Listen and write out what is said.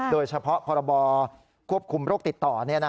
โดยเฉพาะพรบควบคุมโรคติดต่อ